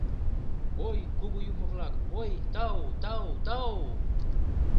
— Ой, кугу юмо-влак, ой тау, тау, тау!..